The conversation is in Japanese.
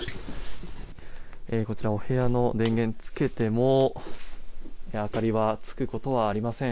こちら、お部屋の電源つけても明かりはつくことはありません。